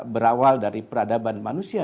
berawal dari peradaban manusia